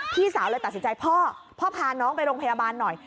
พี่สาวเลยตัดสินใจพ่อพ่อพาน้องไปโรงพยาบาลหน่อย